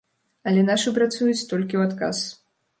Але нашы працуюць толькі ў адказ.